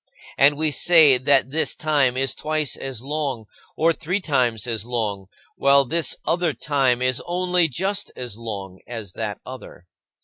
And we say that this time is twice as long, or three times as long, while this other time is only just as long as that other.